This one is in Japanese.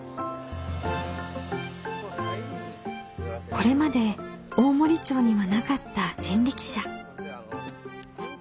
これまで大森町にはなかった人力車。